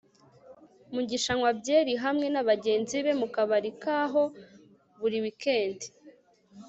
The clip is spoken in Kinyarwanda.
mugisha anywa byeri hamwe nabagenzi be mukabari kaho buri wikendi